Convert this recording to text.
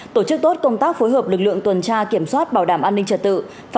tổ chức tốt công tác phối hợp lực lượng tuần tra kiểm soát bảo đảm an ninh trật tự